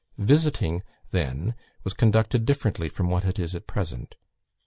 Visiting then was conducted differently from what it is at present.